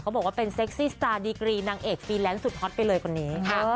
บอกว่าเป็นเซ็กซี่สตาร์ดีกรีนางเอกฟรีแลนซ์สุดฮอตไปเลยคนนี้ค่ะ